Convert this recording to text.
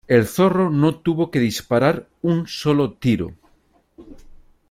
El Zorro no tuvo que disparar un solo tiro.